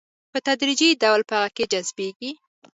په تدريجي ډول په هغه کې جذبيږي.